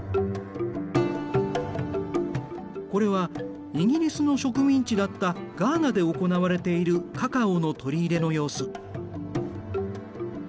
これはイギリスの植民地だったガーナで行われているカカオの取り入れの様子。